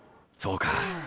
そうか。